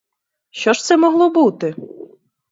Що ж це могло бути?